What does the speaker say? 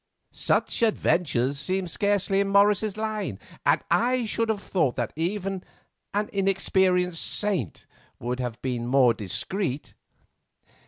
Such adventures seem scarcely in Morris's line, and I should have thought that even an inexperienced saint would have been more discreet."